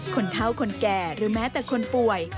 คนเท่าคนแก่หรือแม้แต่คนป่วย